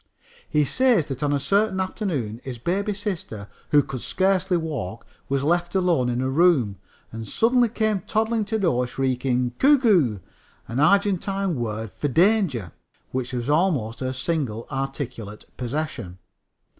He says that on a certain afternoon his baby sister, who could scarcely walk, was left alone in a room, and suddenly came toddling to the door shrieking "ku ku," an Argentine word for danger, which was almost her single articulate possession.